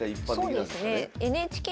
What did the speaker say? そうですね。